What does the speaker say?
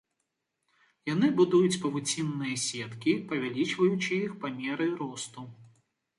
Яны будуюць павуцінныя сеткі, павялічваючы іх па меры росту.